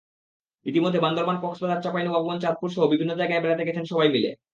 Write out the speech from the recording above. ইতিমধ্যে বান্দরবান, কক্সবাজার, চাঁপাইনবাবগঞ্জ, চাঁদপুরসহ বিভিন্ন জায়গায় বেড়াতে গেছেন সবাই মিলে।